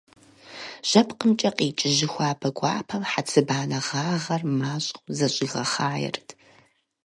ЖьэпкъымкӀэ къикӀ жьы щабэ гуапэм хьэцыбанэ гъэгъар мащӀэу зэщӀигъэхъаерт.